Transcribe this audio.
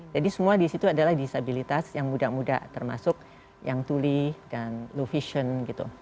jadi semua di situ adalah disabilitas yang muda muda termasuk yang tuli dan low vision gitu